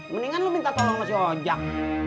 mendingan lu minta tolong mas yojak